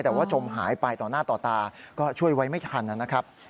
แต่ว่าจมหายไปต่อหน้าต่อตาก็ช่วยไว้ไม่ทันนะครับ